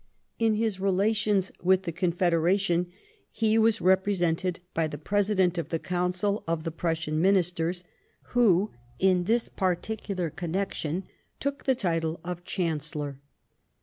In his relations with the Confederation, he was represented by the President of the Council of the Prussian Ministers, who, in this particular connection, took the title of Chancellor.